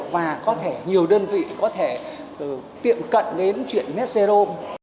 và có thể nhiều đơn vị có thể tiệm cận đến chuyện net zero